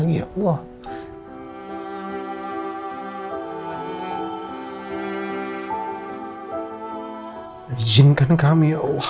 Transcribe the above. berikanlah kesembuhan untuk istriku ya allah